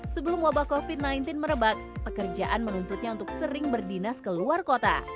sebelum wabah covid sembilan belas merebak pekerjaan menuntutnya untuk sering berdinas ke luar kota